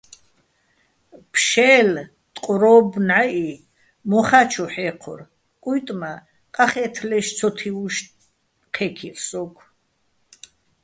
ფშე́ლ, ტყვრო́ბ ნჵაჸი, მოხა́ ჩუ ჰ̦ე́ჴორ, კუჲტი̆ მა́ ყახე́თლაშე́ ცოთივუშ ჴე́ქირ სოგო̆.